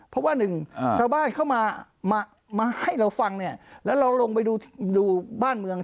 เพราะว่าหนึ่งชาวบ้านเข้ามามาให้เราฟังเนี่ยแล้วเราลงไปดูบ้านเมือง